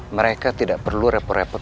mereka tidak perlu repot repot